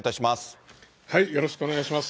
よろしくお願いします。